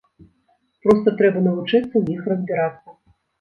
Проста трэба навучыцца ў іх разбірацца.